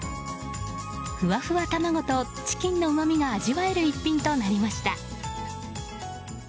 ふわふわ卵とチキンのうまみが味わえる一品となりました。